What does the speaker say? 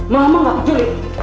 mama nggak peduli